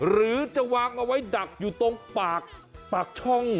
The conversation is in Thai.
หรือจะวางเอาไว้ดักอยู่ตรงปากปากช่อง